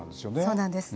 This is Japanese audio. そうなんです。